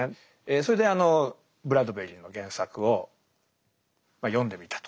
それであのブラッドベリの原作をまあ読んでみたと。